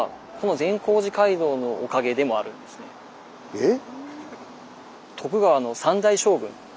えっ？